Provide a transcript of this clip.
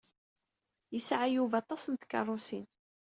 Yesɛa Yuba aṭas n tkeṛṛusin.